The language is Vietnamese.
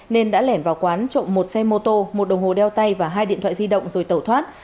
nên đã lẻn vào quán trộm một xe mô tô một đồng hồ đeo tay và hai điện thoại di động rồi tẩu thoát